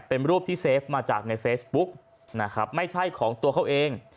เป็นรูปที่เซฟมาจากในเฟซบุ๊กนะครับไม่ใช่ของตัวเขาเอง